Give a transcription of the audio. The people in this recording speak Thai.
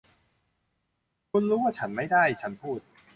คุณรู้ว่าฉันไม่ได้ ฉันพูด